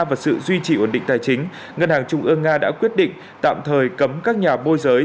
và sự duy trì ổn định tài chính ngân hàng trung ương nga đã quyết định tạm thời cấm các nhà môi giới